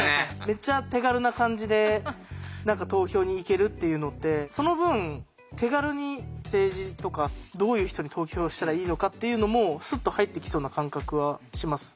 めっちゃ手軽な感じで何か投票に行けるっていうのってその分手軽に政治とかどういう人に投票したらいいのかっていうのもスッと入ってきそうな感覚はします。